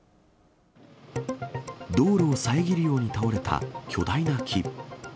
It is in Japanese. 道路を遮るように倒れた巨大な木。